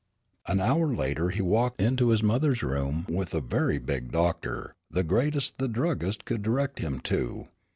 An hour later he walked into his mother's room with a very big doctor, the greatest the druggist could direct him to.